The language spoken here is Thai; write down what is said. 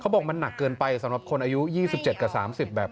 บอกมันหนักเกินไปสำหรับคนอายุ๒๗กับ๓๐แบบ